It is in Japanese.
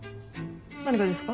何がですか？